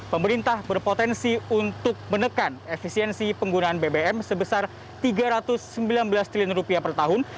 pemerintah berpotensi untuk menekan efisiensi penggunaan bbm sebesar rp tiga ratus sembilan belas triliun rupiah per tahun